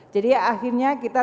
jadi akhirnya kita